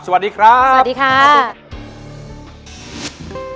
สวัสดีครับ